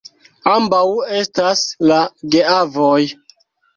Ambaŭ estas la geavoj.